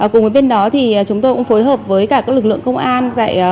cùng với bên đó chúng tôi cũng phối hợp với các lực lượng công an